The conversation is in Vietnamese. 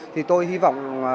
thì tôi hy vọng